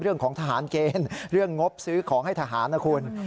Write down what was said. เรื่องของทหารเกณฑ์เรื่องงบซื้อของให้ทหารนะคุณ